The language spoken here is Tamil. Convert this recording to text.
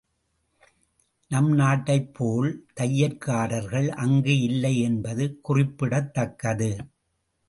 நம் நாட்டைப் போல் தையற்காரர்கள் அங்கு இல்லை என்பது குறிப்பிடத்தக்கது.